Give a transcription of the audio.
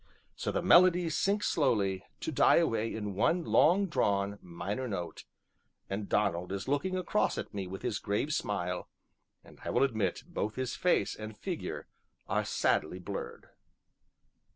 So the melody sinks slowly, to die away in one long drawn, minor note, and Donald is looking across at me with his grave smile, and I will admit both his face and figure are sadly blurred.